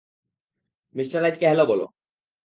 Mister রাইটকে hello বলো।